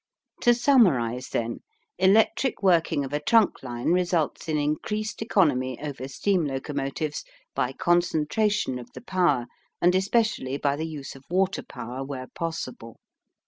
To summarize then, electric working of a trunk line results in increased economy over steam locomotives by concentration of the power and especially by the use of water power where possible.